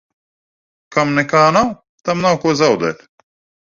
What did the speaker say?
Kam nekā nav, tam nav ko zaudēt.